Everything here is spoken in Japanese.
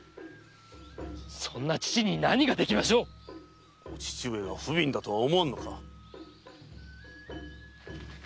そんな父に何ができましょう⁉お父上が不憫だとは思わぬのか？